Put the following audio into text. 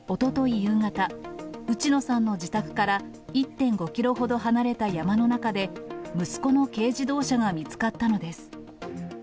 夕方、内野さんの自宅から１．５キロほど離れた山の中で、息子の軽自動車が見つかったのです。